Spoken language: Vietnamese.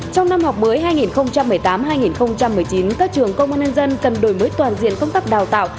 trong năm học mới hai nghìn một mươi tám hai nghìn một mươi chín các trường công an nhân dân cần đổi mới toàn diện công tác đào tạo